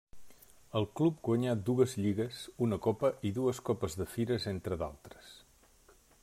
El club guanyà dues lligues, una copa i dues Copes de Fires entre d'altres.